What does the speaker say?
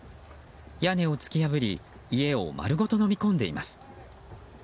屋根を突き破り家を丸ごとのみ込んでいます。